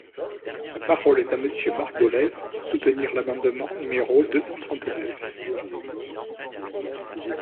La parole est à Monsieur Marc Dolez, pour soutenir l’amendement numéro deux cent trente-neuf.